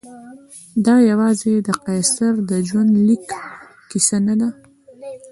دا یوازې د قیصر د ژوندلیک کیسه نه ده.